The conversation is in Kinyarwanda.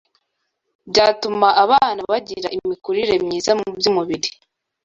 byatuma abana bagira imikurire myiza mu by’umubiri